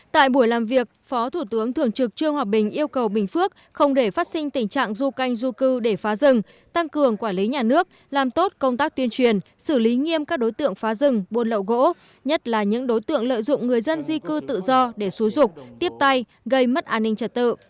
tại buổi làm việc phó thủ tướng thường trực trương hòa bình yêu cầu bình phước không để phát sinh tình trạng du canh du cư để phá rừng tăng cường quản lý nhà nước làm tốt công tác tuyên truyền xử lý nghiêm các đối tượng phá rừng buôn lậu gỗ nhất là những đối tượng lợi dụng người dân di cư tự do để xúi rục tiếp tay gây mất an ninh trật tự